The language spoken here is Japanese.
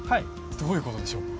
どういう事でしょう？